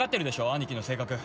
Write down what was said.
兄貴の性格。